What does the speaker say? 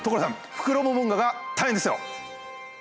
フクロモモンガが大変ですよ。